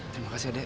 terima kasih adek